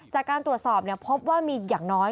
จากการตรวจสอบพบว่ามีอย่างน้อย